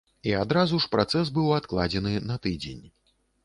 І адразу ж працэс быў адкладзены на тыдзень.